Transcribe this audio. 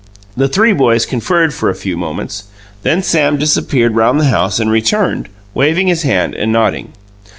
The three boys conferred for a few moments; then Sam disappeared round the house and returned, waving his hand and nodding.